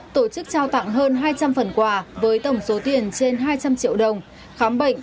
tổ chức trao tặng hơn hai trăm linh phần quà với tổng số tiền trên hai trăm linh triệu đồng khám bệnh